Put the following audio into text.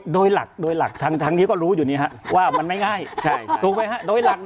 โดยหลักทั้งที่ก็รู้อยู่นี่ครับว่ามันไม่ง่าย